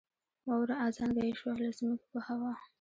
واوره ازانګه یې شوه له ځمکې په هوا